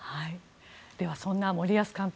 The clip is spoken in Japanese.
では、そんな森保監督